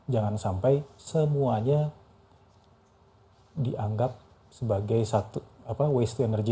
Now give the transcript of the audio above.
jangan sampai semuanya dianggap sebagai satu waste to energy